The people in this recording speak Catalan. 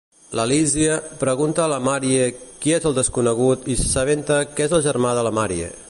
La Lizzie pregunta a la Marie qui és el desconegut i s'assabenta que és el germà de la Marie.